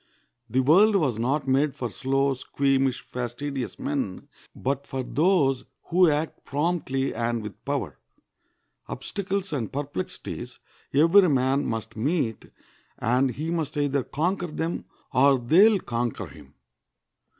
The world was not made for slow, squeamish, fastidious men, but for those who act promptly and with power. Obstacles and perplexities every man must meet, and he must either conquer them or they will conquer him.